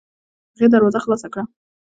هغې دروازه خلاصه کړه.